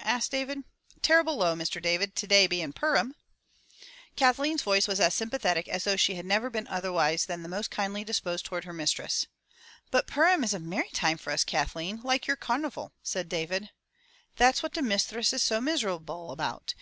*' asked David. "Terrible low, Mr. David, today bein' Purim/' Kathleen's voice was as sympathetic as though she had never been otherwise than most kindly disposed toward her mistress. "But Purim is a merry time for us, Kathleen, like your car nival," said David. "That's what the misthress is so miserable about.